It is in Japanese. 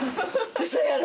ウソやろ！